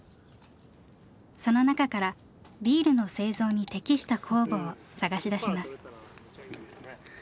その中からビールの製造に適した酵母を探し出します。